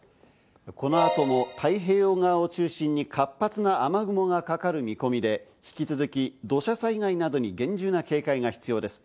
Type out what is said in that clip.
この後も太平洋側を中心に活発な雨雲がかかる見込みで、引き続き土砂災害などに厳重な警戒が必要です。